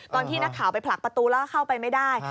ตอนที่นักข่าวไปผลักประตูแล้วก็เข้าไปไม่ได้